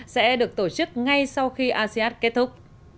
sẽ được tổ chức ngay sau khi asean kết thúc